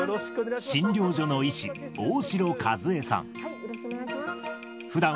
診療所の医師、大城和恵さん。